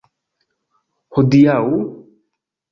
Hodiaŭ!?